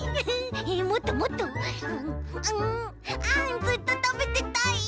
あんずっとたべてたい。